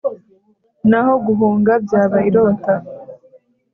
naho guhunga byaba irota